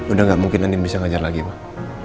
udah gak mungkin andin bisa ngejar lagi pak